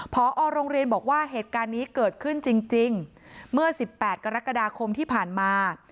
พอโรงเรียนบอกว่าเหตุการณ์นี้เกิดขึ้นจริงเมื่อ๑๘กรกฎาคมที่ผ่านมา